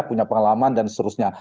punya pengalaman dan seterusnya